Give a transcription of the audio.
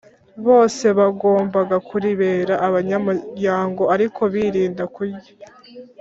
bose bagombaga kuribera abanyamuryango ariko birinda kurya